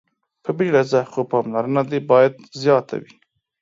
په بيړه ځه خو پاملرنه دې باید زياته وي.